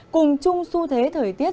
cùng chung su thế thời tiết